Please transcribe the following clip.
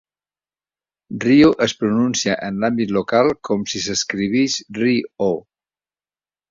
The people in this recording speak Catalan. Rio es pronuncia en l'àmbit local com si s'escrivís Rye-oh.